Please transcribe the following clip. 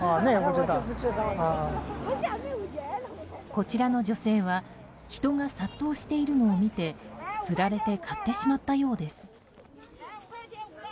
こちらの女性は人が殺到しているのを見てつられて買ってしまったようです。